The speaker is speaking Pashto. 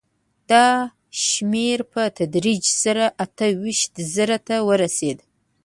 دا شمېر په تدریج سره اته ویشت زرو ته ورسېد